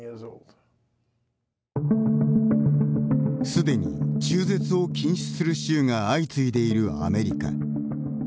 すでに中絶を禁止する州が相次いでいるアメリカ。